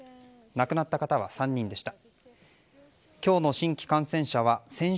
亡くなった方は３人でした。